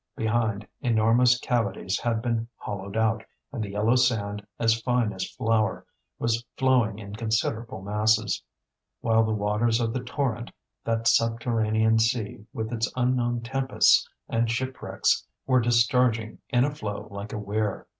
Behind, enormous cavities had been hollowed out, and the yellow sand, as fine as flour, was flowing in considerable masses; while the waters of the Torrent, that subterranean sea with its unknown tempests and shipwrecks, were discharging in a flow like a weir.